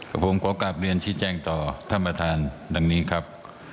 ผมขอกลับเรียนชี้แจงต่อท่านประธานดังนี้ครับ